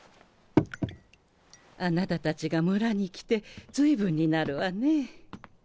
あなたたちが村に来て随分になるわね。